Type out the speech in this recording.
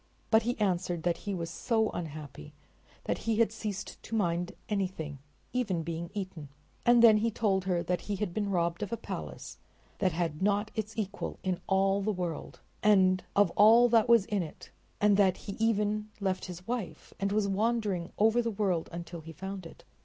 But he answered that he was so unhappy that he had ceased to mind anything, even being eaten, and then he told her that he had been robbed of a palace that had not its equal in all the world, and of all that was in it, and that he had even left his wife and was wandering over the world until he found it.